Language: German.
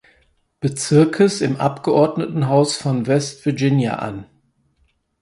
Bezirkes im Abgeordnetenhaus von West Virginia an.